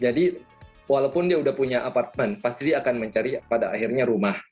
jadi walaupun dia sudah punya apartemen pasti akan mencari pada akhirnya rumah